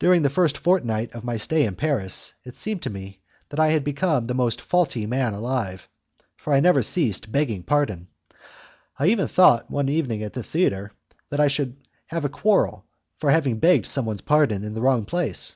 During the first fortnight of my stay in Paris, it seemed to me that I had become the most faulty man alive, for I never ceased begging pardon. I even thought, one evening at the theatre, that I should have a quarrel for having begged somebody's pardon in the wrong place.